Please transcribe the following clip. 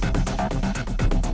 dan bikin masalah di sini bos